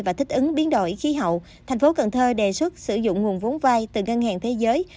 và thích ứng biến đổi khí hậu tp hcm đề xuất sử dụng nguồn vốn vai từ ngân hàng thế giới